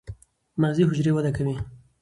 مغزي حجرې وده کوي.